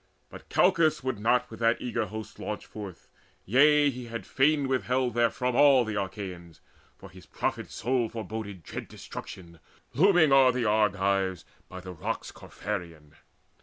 But Calchas would not with that eager host Launch forth; yea, he had fain withheld therefrom All the Achaeans, for his prophet soul Foreboded dread destruction looming o'er The Argives by the Rocks Capherean.